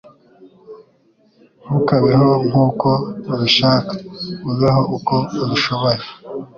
Ntukabeho nkuko ubishaka, ubeho uko ubishoboye.